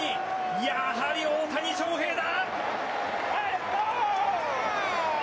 やはり大谷翔平だ！